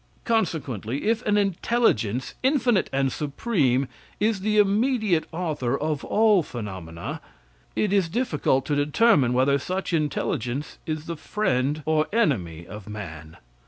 Consequently, if an intelligence, infinite and supreme, is the immediate author of all phenomena, it is difficult to determine whether such intelligence is the friend or enemy of man.